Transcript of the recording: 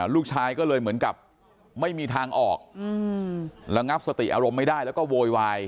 ลูกชายก็เลยเหมือนกับไม่มีทางออกระงับสติอารมณ์ไม่ได้แล้วก็โวยวาย